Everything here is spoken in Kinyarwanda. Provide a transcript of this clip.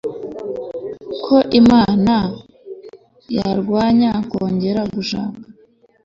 ko imana yarwanya kongera gushaka